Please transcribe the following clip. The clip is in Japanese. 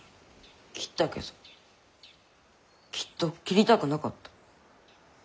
斬ったけどきっと斬りたくなかった。